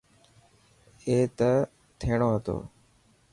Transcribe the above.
اي ته ٿيهڻو هتو.